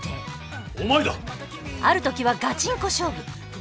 ある時はガチンコ勝負。